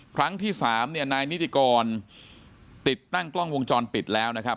ครั้งที่สามเนี่ยนายนิติกรติดตั้งกล้องวงจรปิดแล้วนะครับ